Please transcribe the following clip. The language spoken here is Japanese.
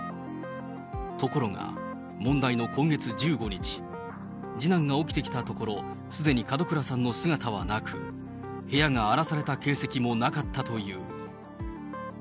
ところが問題の今月１５日、次男が起きてきたところ、すでに門倉さんの姿はなく、部屋が荒らされた形跡もなかったという。